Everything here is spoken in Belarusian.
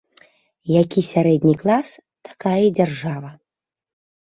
Які сярэдні клас, такая і дзяржава.